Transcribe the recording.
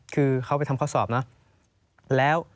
คือเขาไปทำทดสอบนะแล้ว